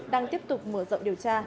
đang tiếp tục mở rộng điều tra